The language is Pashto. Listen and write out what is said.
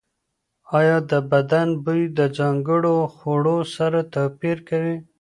ایا د بدن بوی د ځانګړو خوړو سره توپیر کوي؟